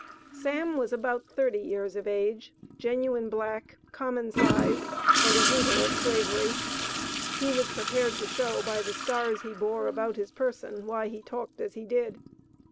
Sam was about thirty years of age, genuine black, common size, and a hater of slavery; he was prepared to show, by the scars he bore about his person, why he talked as he did.